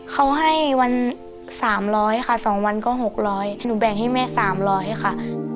เขาให้วัน๓๐๐ค่ะ๒วันก็๖๐๐หนูแบ่งให้แม่๓๐๐ค่ะ